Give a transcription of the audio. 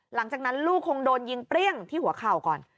หลังจากนั้นลูกคงโดนยิงเปรี้ยงที่หัวเข่าก่อน